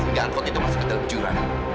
hingga angkot itu masuk ke dalam jurang